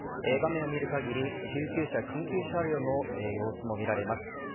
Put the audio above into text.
画面を見る限り救急車、緊急車両の様子も見られます。